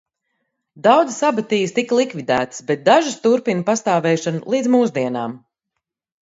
Daudzas abatijas tika likvidētas, bet dažas turpina pastāvēšanu līdz mūsdienām.